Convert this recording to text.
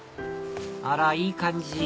あらいい感じ！